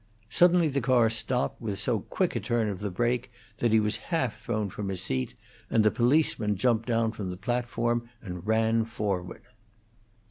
Suddenly the car stopped with so quick a turn of the brake that he was half thrown from his seat, and the policeman jumped down from the platform and ran forward.